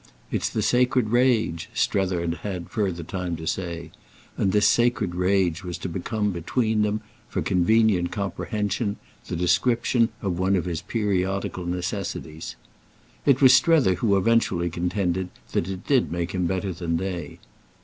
"It's the sacred rage," Strether had had further time to say; and this sacred rage was to become between them, for convenient comprehension, the description of one of his periodical necessities. It was Strether who eventually contended that it did make him better than they.